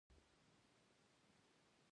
نو بیا د همغه قانون له مخې